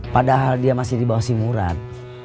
padahal dia masih di bawah si murad